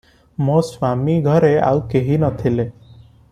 ମୋ ସ୍ୱାମୀଘରେ ଆଉ କେହି ନଥିଲେ ।